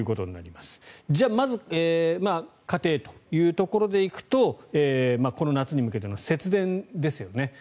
じゃあ、まず家庭というところでいくとこの夏に向けての節電ですよね。